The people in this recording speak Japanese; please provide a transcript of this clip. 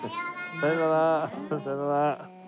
さようなら。